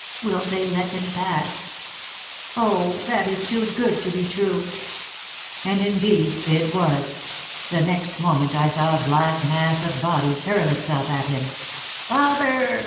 "Will they let him pass? Oh, that is too good to be true." And indeed it was. The next moment I saw a black mass of bodies hurl itself at him. "Father!"